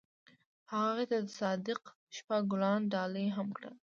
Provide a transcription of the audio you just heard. هغه هغې ته د صادق شپه ګلان ډالۍ هم کړل.